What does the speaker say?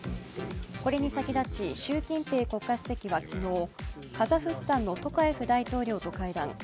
これに先立ち習近平国家主席は昨日、カザフスタンのトカエフ大統領と会談。